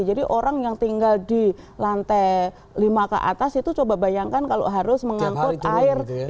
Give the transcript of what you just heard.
jadi orang yang tinggal di lantai lima ke atas itu coba bayangkan kalau harus mengangkut air